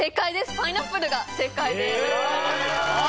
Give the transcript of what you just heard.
パイナップルが正解ですえ・